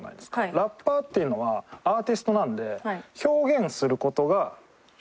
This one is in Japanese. ラッパーっていうのはアーティストなんで表現をする事が主軸なんですよ。